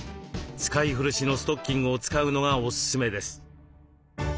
使い古しのストッキングを使うのがおすすめです。